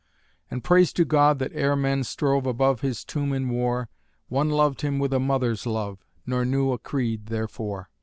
And praise to God that ere men strove Above his tomb in war One loved him with a mother's love, Nor knew a creed therefor.